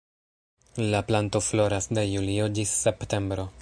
La planto floras de julio ĝis septembro.